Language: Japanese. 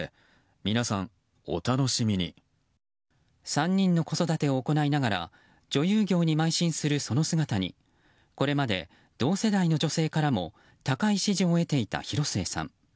３人の子育てを行いながら女優業にまい進するその姿にこれまで同世代の女性からも高い支持を得ていた広末さん。